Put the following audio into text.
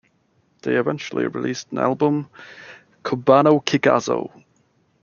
They eventually released an album Kubanno Kickasso!